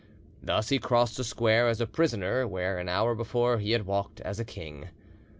Thus he crossed the square as a prisoner where an hour before he had walked as a king.